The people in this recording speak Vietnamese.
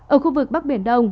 ở khu vực bắc biển đông